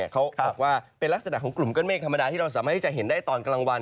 เขาบอกว่าเป็นลักษณะของกลุ่มก้อนเมฆธรรมดาที่เราสามารถที่จะเห็นได้ตอนกลางวัน